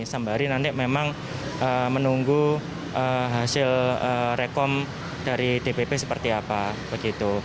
sembari nanti memang menunggu hasil rekom dari dpp seperti apa begitu